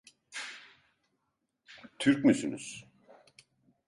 Türk müsünüz?